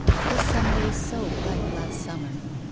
This summer was so like last sum mer.